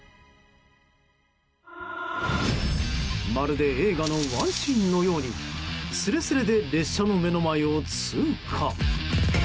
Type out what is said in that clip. まるで映画のワンシーンのようにすれすれで列車の目の前を通過。